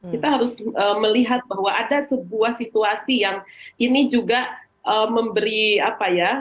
kita harus melihat bahwa ada sebuah situasi yang ini juga memberi apa ya